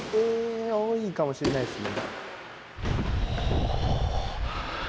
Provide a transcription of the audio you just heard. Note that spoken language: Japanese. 多いかもしれないですね。